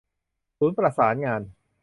ศูนย์ประสานงาน